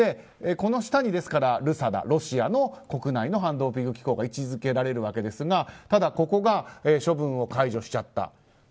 この下にＲＵＳＡＤＡ、ロシアの国内の反ドーピング機構が位置づけられるわけですがただ、ここが処分を解除しちゃった。